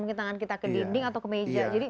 mungkin tangan kita ke dinding atau ke meja jadi